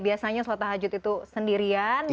biasanya sholat tahajud itu sendirian gitu ya